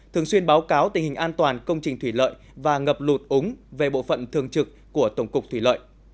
thường xuyên báo cáo tình hình an toàn công trình thủy lợi và ngập lụt úng về bộ phận thường trực của tổng cục thủy lợi